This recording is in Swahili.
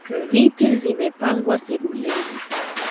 Viti zimepangwa sebuleni.